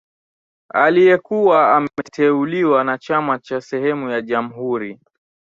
Aliyekuwa ameteuliwa na chama cha sehemu ya jamhuri